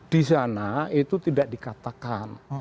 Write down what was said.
di sana itu tidak dikatakan